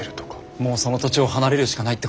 もうその土地を離れるしかないってことか。